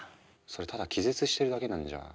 それただ気絶してるだけなんじゃ。